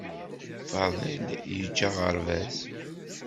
Faḍel yeǧǧa aɣerbaz